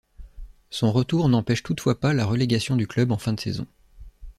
Son retour n'empêche toutefois pas la relégation du club en fin de saison.